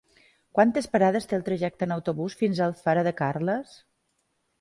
Quantes parades té el trajecte en autobús fins a Alfara de Carles?